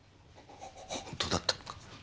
本当だったのか？